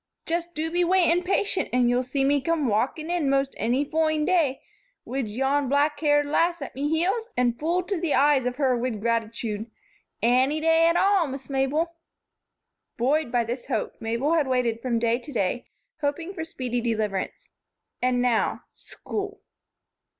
Just do be waitin' patient and you'll see me come walkin' in most anny foine day wid yon blackhaired lass at me heels an' full to the eyes of her wid gratichude. Anny day at all, Miss Mabel." Buoyed by this hope, Mabel had waited from day to day, hoping for speedy deliverance. And now, school!